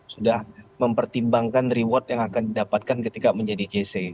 sudah mempertimbangkan reward yang akan didapatkan ketika menjadi jc